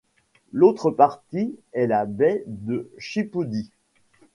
L'autre partie est la baie de Chipoudy.